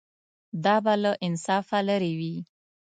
دا به له انصافه لرې وي.